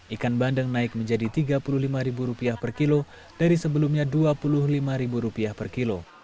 ikan bandeng naik menjadi rp tiga puluh lima per kilo dari sebelumnya rp dua puluh lima per kilo